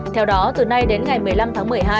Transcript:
theo đó từ nay đến ngày một mươi năm tháng một mươi hai